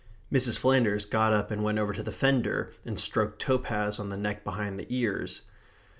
Mrs. Flanders got up and went over to the fender and stroked Topaz on the neck behind the ears.